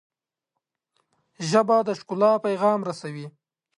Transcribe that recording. ژبه د ښکلا پیغام رسوي